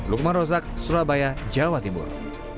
lukman rozak surabaya jawa timur